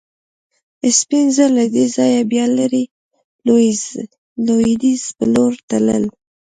سپین زر له دې ځایه بیا لرې لوېدیځ په لور تلل.